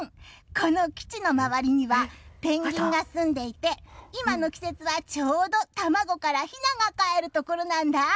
この基地の周りにはペンギンがすんでいて今の季節はちょうど卵からひながかえるところなんだ。